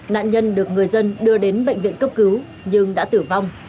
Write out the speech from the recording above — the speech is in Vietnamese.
nạn nhân được người dân đưa đến bệnh viện cấp cứu nhưng đã tử vong